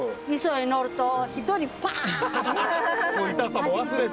痛さも忘れて？